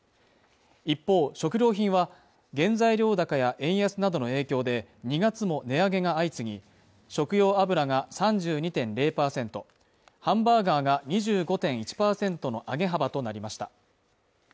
一方、食料品は原材料高や円安などの影響で、２月も値上げが相次ぎ、食用油が３２．０％、ハンバーガーが２５．１％の上げ幅となりました。